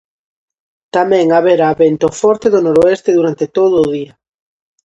Tamén haberá vento forte do noroeste durante todo o día.